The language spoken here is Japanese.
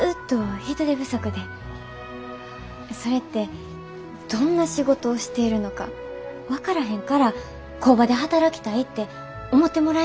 それってどんな仕事をしているのか分からへんから工場で働きたいって思ってもらえないんやと思います。